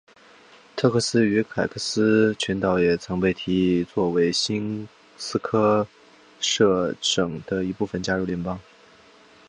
特克斯与凯科斯群岛也曾经被提议作为新斯科舍省的一部分加入联邦。